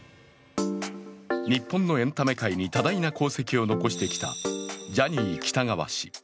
日本のエンタメ界に多大な功績を残してきたジャニー喜多川氏。